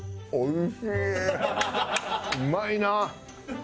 うまいな！